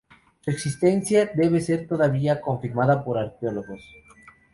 Su existencia debe ser todavía confirmada por arqueólogos.